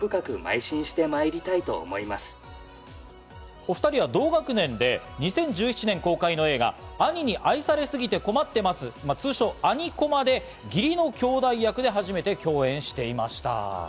お２人は同学年で、２０１７年公開の映画『兄に愛されすぎて困ってます』、通称『兄こま』で義理のきょうだい役で初めて共演していました。